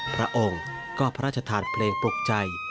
พระองค์ก็พระราชทานเพลงปลุกใจ